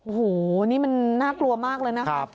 โอ้โหนี่มันน่ากลัวมากเลยนะครับ